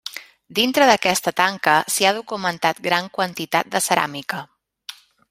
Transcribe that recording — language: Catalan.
Dintre d'aquesta tanca s'hi ha documentat gran quantitat de ceràmica.